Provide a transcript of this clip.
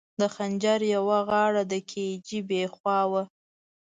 د خنجر یوه غاړه د کي جي بي خوا وه.